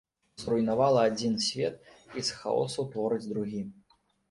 Зруйнавала адзін свет і з хаосу творыць другі.